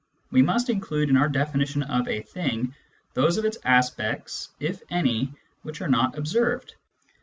We must include in our definition of a " thing " those of its aspects, if any, which are not observed.